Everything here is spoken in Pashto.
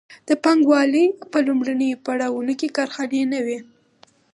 د پانګوالۍ په لومړیو پړاوونو کې کارخانې نه وې.